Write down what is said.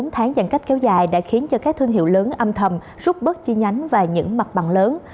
bốn tháng giãn cách kéo dài đã khiến cho các thương hiệu lớn âm thầm rút bớt chi nhánh và những mặt bằng lớn